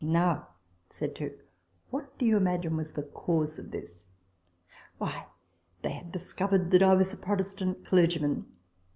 " Now," said Tooke, " what do you imagine was the cause of this ? Why, they had dicovered that I was a Protestant clergyman